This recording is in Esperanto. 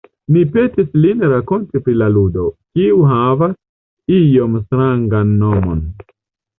Ni petis lin rakonti pri la ludo, kiu havas iom strangan nomon.